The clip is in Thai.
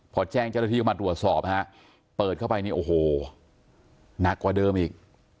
พอแจ้งเจ้าหน้าที่เข้ามาตรวจสอบฮะเปิดเข้าไปนี่โอ้โหหนักกว่าเดิมอีก